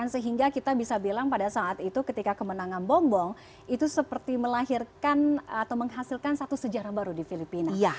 sehingga kita bisa bilang pada saat itu ketika kemenangan bom bong itu seperti melahirkan atau menghasilkan satu sejarah baru di filipina